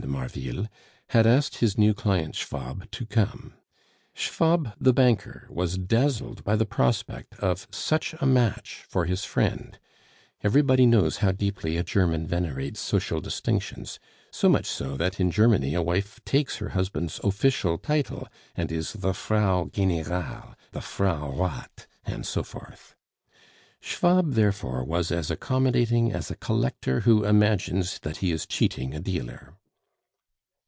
de Marville, had asked his new client Schwab to come. Schwab the banker was dazzled by the prospect of such a match for his friend (everybody knows how deeply a German venerates social distinctions, so much so, that in Germany a wife takes her husband's (official) title, and is the Frau General, the Frau Rath, and so forth) Schwab therefore was as accommodating as a collector who imagines that he is cheating a dealer.